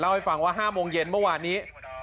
ให้ฟังว่า๕โมงเย็นเมื่อวานนี้